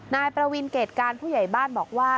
นายประวินเกรดการผู้ใหญ่บ้านบอกว่า